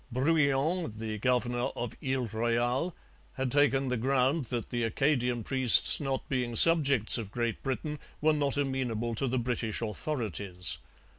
Brouillan, the governor of Ile Royale, had taken the ground that the Acadian priests, not being subjects of Great Britain, were not amenable to the British authorities.